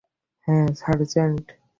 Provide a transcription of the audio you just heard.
হ্যা, সার্জেন্ট!